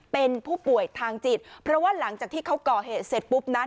เป็นผู้ป่วยทางจิตเพราะว่าหลังจากที่เขาก่อเหตุเสร็จปุ๊บนั้น